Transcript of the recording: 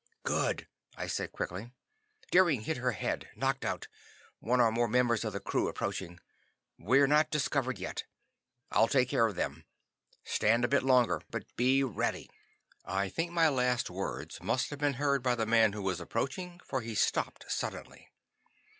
"Good," I said quickly. "Deering hit her head. Knocked out. One or more members of the crew approaching. We're not discovered yet. I'll take care of them. Stand a bit longer, but be ready." I think my last words must have been heard by the man who was approaching, for he stopped suddenly.